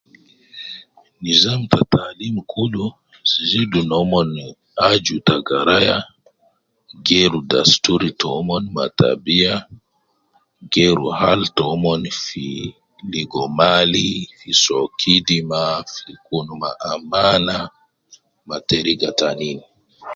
Nizam ta taalim kulu zidu nomon aju ta garaya, geeru dasturi tomon ma tabiya, geeru hal tomon fi ligo mali soo kidima fi kun ma amana ma teriga tanin